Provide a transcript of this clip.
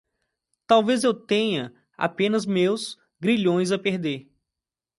Talvez eu tenha apenas meus grilhões a perder